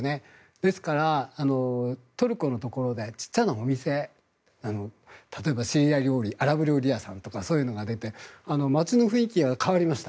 ですから、トルコのところで小さなお店例えば、シリア料理アラブ料理屋さんとかそういうのが出て街の雰囲気は変わりました。